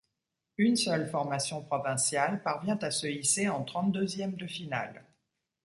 Une seule formation provinciale parvient à se hisser en trente-deuxièmes de finale.